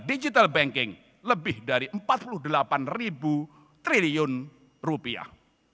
digital banking lebih dari empat puluh delapan ribu triliun rupiah